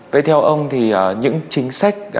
vậy theo ông thì những chính sách